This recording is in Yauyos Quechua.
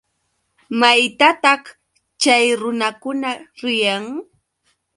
¿Maytataq chay runakuna riyan?